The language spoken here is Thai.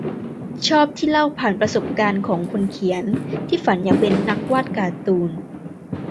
ชอบที่เล่าผ่านประสบการณ์ของคนเขียนที่ฝันอยากเป็นนักวาดการ์ตูน